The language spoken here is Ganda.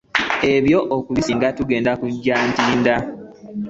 Eby'okuzimbisibwa tugenda kugya Ntinda.